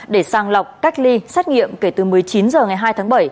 để sang lọc cách ly xét nghiệm kể từ một mươi chín h ngày hai tháng bảy